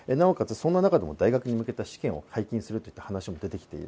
そんな中でも大学に向けた試験を解禁すると話している。